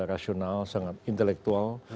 rasional sangat intelektual